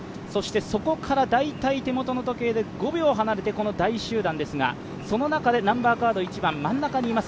そこから大体手元の時計で５秒離れてこの第１集団ですがその中で１番真ん中にいます